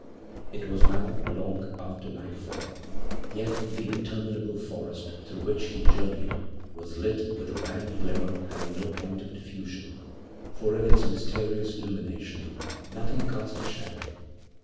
It was now long after nightfall, yet the interminable forest through which he journeyed was lit with a wan glimmer having no point of diffusion, for in its mysterious lumination nothing cast a shadow.